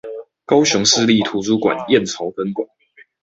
高雄市立圖書館燕巢分館